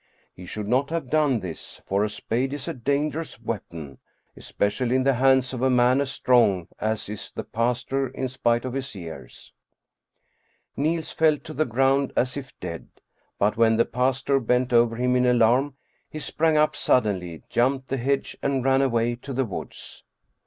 He should not have done this, for a spade is a dangerous weapon, especially in the hands of a man as strong as is the pastor in spite of his years. Niels fell to the ground as if dead. But when the pastor bent over him in alarm, he sprang up suddenly, jumped the hedge and ran away to the woods.